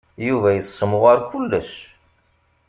Yuba yessemɣar kullec.